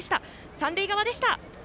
三塁側でした。